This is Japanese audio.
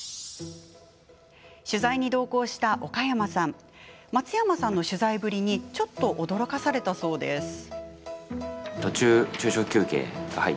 取材に同行した岡山さん松山さんの取材ぶりにちょっと驚かされたそうです。